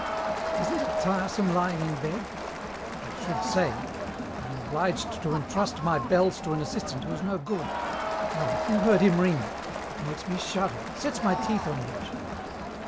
"Isn't it tiresome lying in bed?" "I should say! I am obliged to entrust my bells to an assistant who is no good. Ah, if you heard him ring! It makes me shudder, it sets my teeth on edge."